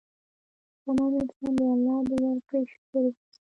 شتمن انسان د الله د ورکړې شکر وباسي.